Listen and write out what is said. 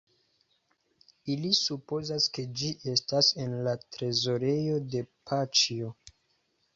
Ili supozas ke ĝi estas en la trezorejo de Paĉjo.